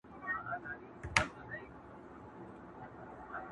اوس له شپو سره راځي اغزن خوبونه٫